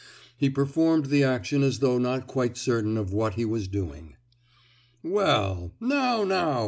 He performed the action as though not quite certain of what he was doing. "Well! _now, now!